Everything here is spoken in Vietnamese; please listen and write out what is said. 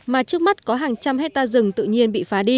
mà trước mắt có hàng trăm hectare rừng tự nhiên bị phá đi